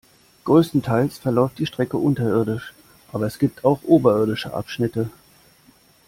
Größtenteils verläuft die Strecke unterirdisch, aber es gibt auch oberirdische Abschnitte.